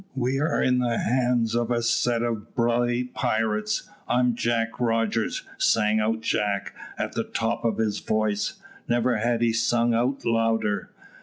"We are in the hands of a set of bloody pirates. I'm Jack Rogers," sang out Jack, at the top of his voice. Never had he sung out louder.